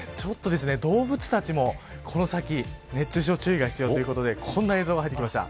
動物たちも、この先熱中症注意が必要ということでこんな映像が入ってきました。